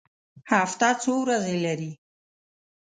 هفته څو ورځې لري؟